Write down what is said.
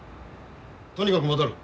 とにかく戻る。